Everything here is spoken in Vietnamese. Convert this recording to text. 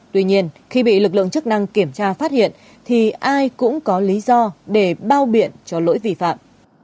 tuy nhiên khi bị lực lượng chức năng kiểm tra phát hiện thì ai cũng có lý do để bao biện cho lỗi vi phạm